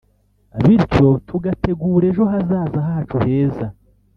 bityo tugategura ejo hazaza hacu heza